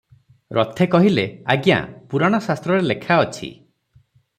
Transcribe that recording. ରଥେ କହିଲେ, ଆଜ୍ଞା! ପୁରାଣ ଶାସ୍ତ୍ରରେ ଲେଖାଅଛି -